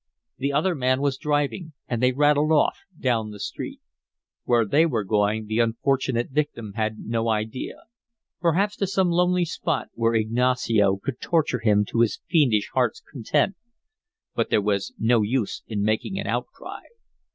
The other man was driving and they rattled off down the street. Where they were going the unfortunate victim had no idea. Perhaps to some lonely spot where Ignacio could torture him to his fiendish heart's content! But there was no use in making an outcry.